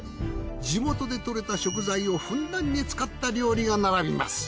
地元でとれた食材をふんだんに使った料理が並びます。